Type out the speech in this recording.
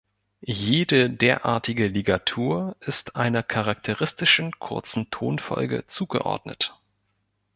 Jede derartige Ligatur ist einer charakteristischen kurzen Tonfolge zugeordnet.